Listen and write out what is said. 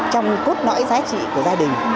trong cốt nõi giá trị của gia đình